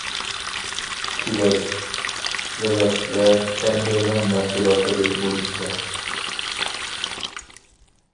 كېۋەز، زىغىر ۋە كەندىرنىڭ مەھسۇلاتلىرى مول ئىكەن.